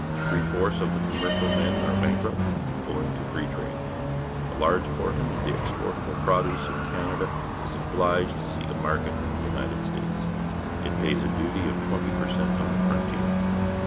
Three fourths of the commercial men are bankrupt, owing to free trade; a large proportion of the exportable produce of Canada is obliged to seek a market in the United States. It pays a duty of twenty per cent on the frontier.